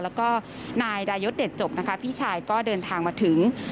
แล้วก็นายดายศเด็ดจบนะคะพี่ชายก็เดินทางมาถึง